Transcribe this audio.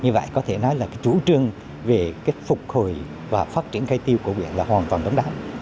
như vậy có thể nói là cái chủ trương về phục hồi và phát triển cây tiêu của huyện là hoàn toàn đúng đắn